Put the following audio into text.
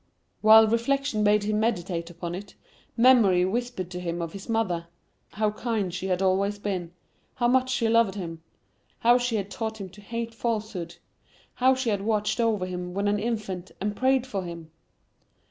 While Reflection bade him meditate upon it, Memory whispered to him of his mother,—how kind she had always been,—how much she loved him,—how she had taught him to hate a falsehood,—how she had watched over him when an infant, and prayed for him!